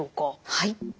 はい。